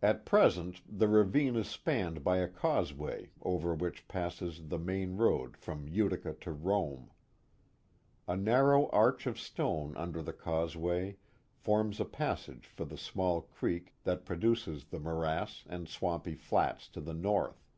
At present the ravine is spanned by a causeway over which passes the main road from Utica to Rome. A narrow arch of stone under the causeway forms a passage for the small creek that produces the morass and swampy flats to the north.